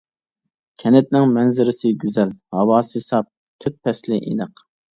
كەنتنىڭ مەنزىرىسى گۈزەل، ھاۋاسى ساپ، تۆت پەسلى ئېنىق.